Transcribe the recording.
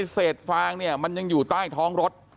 เศษฟางเนี่ยมันยังอยู่ใต้ท้องรถ